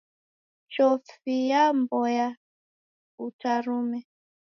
Chofi yambonya utarume.